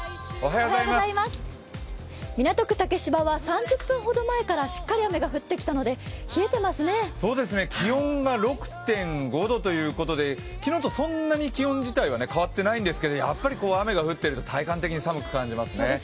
港区竹芝は３０分前からしっかり雨が降ってきていますので気温が６．５度ということで、昨日とそんなに気温自体は変わってないんですけれども、やっぱり雨が降ってると体感的に寒く感じますね。